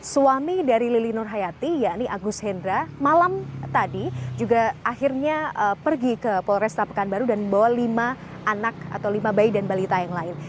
suami dari lili nur hayati yakni agus hendra malam tadi juga akhirnya pergi ke polresta pekanbaru dan membawa lima anak atau lima bayi dan balita yang lain